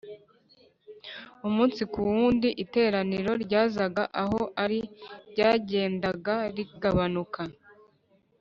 Umunsi ku wundi iteraniro ryazaga aho ari ryagendaga rigabanuka